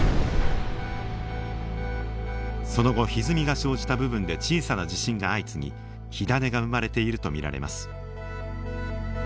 その後ひずみが生じた部分で小さな地震が相次ぎ火種が生まれていると見られます。